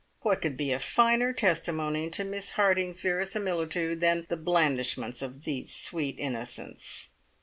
What could be a finer testimony to Miss Harding's verisimilitude than the blandishments of these sweet innocents?